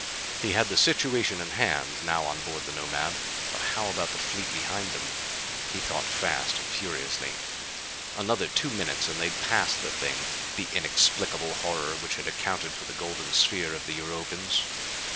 He had the situation in hand now on board the Nomad. But how about the fleet behind them? He thought fast and furiously. Another two minutes and they'd pass the thing; the inexplicable horror which had accounted for the golden sphere of the Europans.